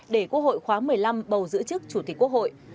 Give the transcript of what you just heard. để quốc hội khóa một mươi năm bầu giữ chức chủ tịch quốc hội